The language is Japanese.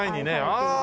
ああ。